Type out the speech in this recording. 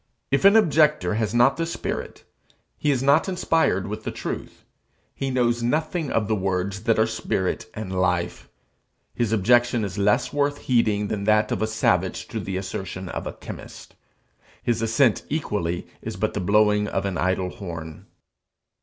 If an objector has not this spirit, is not inspired with the truth, he knows nothing of the words that are spirit and life; and his objection is less worth heeding than that of a savage to the assertion of a chemist. His assent equally is but the blowing of an idle horn.